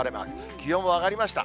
気温も上がりました。